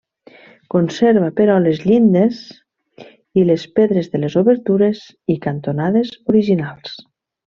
Conserva però les llindes i les pedres de les obertures i cantonades originals.